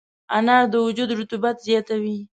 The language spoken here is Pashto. انار د وجود رطوبت زیاتوي.